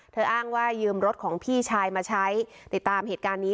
อ้างว่ายืมรถของพี่ชายมาใช้ติดตามเหตุการณ์นี้